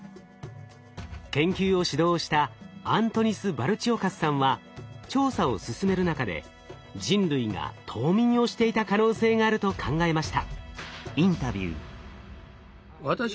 研究を主導したアントニス・バルチオカスさんは調査を進める中で人類が冬眠をしていた可能性があると考えました。